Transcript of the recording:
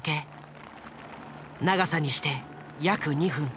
長さにして約２分。